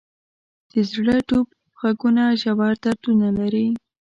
د زړه ډوب ږغونه ژور دردونه لري.